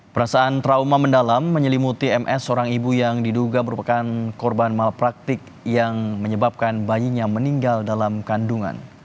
perasaan trauma mendalam menyelimuti ms seorang ibu yang diduga merupakan korban malpraktik yang menyebabkan bayinya meninggal dalam kandungan